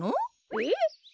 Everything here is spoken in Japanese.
えっ？